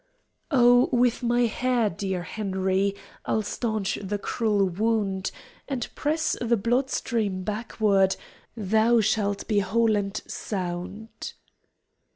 "Oh, with my hair, dear Henry, I'll staunch the cruel wound, And press the blood stream backward; Thou shalt be whole and sound."